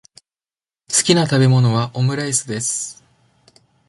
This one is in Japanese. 好きな食べ物はオムライスです。